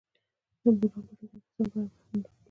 د بولان پټي د افغانستان په هره برخه کې موندل کېږي.